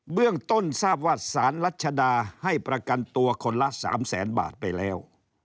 เรื่องต้นทราบว่าสารรัชดาให้ประกันตัวคนละ๓แสนบาทไปแล้ว